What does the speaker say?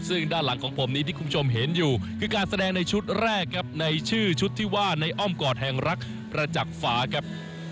ที่คุณผู้ชมเห็นอยู่คือการแสดงในชุดแรกครับในชื่อชุดที่ว่าในอ้อมกรแห่งรักประจักษ์ฝาครับ